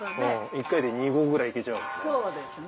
１回で２合ぐらいいけちゃうもんね。